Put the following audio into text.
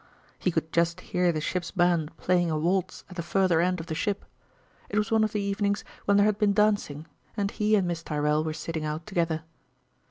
He could just hear the ship's band playing a waltz at the further end of the ship ; it was one of the 52 evenings when there had been dancing, and he and Miss Tyrrell were sitting out together.